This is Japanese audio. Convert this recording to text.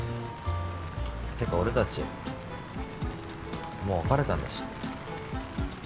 てか俺たちもう別れたんだし。